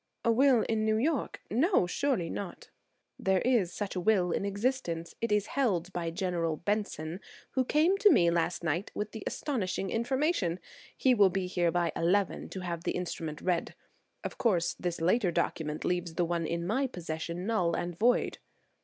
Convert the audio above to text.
"A will in New York? No–surely not!" "There is such a will in existence; it is held by General Benson, who came to me last night with the astonishing information. He will be here by eleven to have the instrument read. Of course, this later document leaves the one in my possession null and void."